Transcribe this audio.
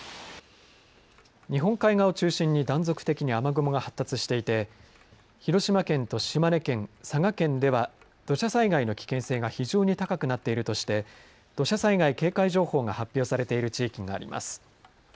日本海側を中心に断続的に雨雲が発達していて、広島県と島根県、佐賀県では、土砂災害の危険性が非常に高くなっているとして、土砂災害警戒情報が発表されている地域があります。